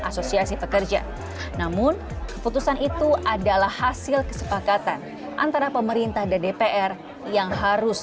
asosiasi pekerja namun keputusan itu adalah hasil kesepakatan antara pemerintah dan dpr yang harus